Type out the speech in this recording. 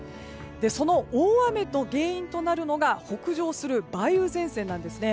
その大雨の原因となるのが北上する梅雨前線なんです。